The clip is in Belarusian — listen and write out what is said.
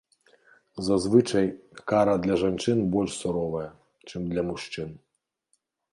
Зазвычай, кара для жанчын больш суровая, чым для мужчын.